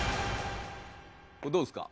これどうですか？